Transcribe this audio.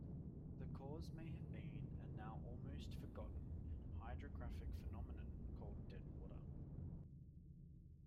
The cause may have been a now almost forgotten hydrographic phenomenon called dead water.